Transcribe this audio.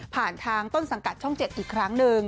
ผ่านทางต้นสังกัดช่อง๗อีกครั้งหนึ่ง